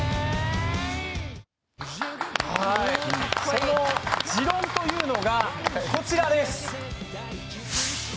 その持論というのがこちらです。